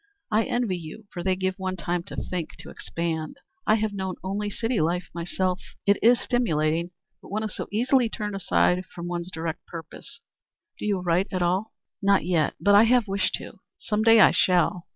I envy you, for they give one time to think to expand. I have known only city life myself. It is stimulating, but one is so easily turned aside from one's direct purpose. Do you write at all?" "Not yet. But I have wished to. Some day I shall.